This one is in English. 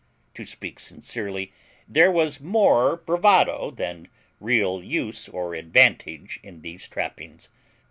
To speak sincerely, there was more bravado than real use or advantage in these trappings.